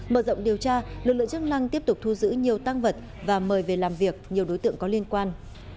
mở rộng điều tra lực lượng chức năng tiếp tục thu giữ nhiều tăng vật và mời về làm việc nhiều đối tượng có liên quan